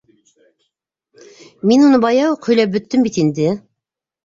— Мин уны бая уҡ һөйләп бөттөм бит инде.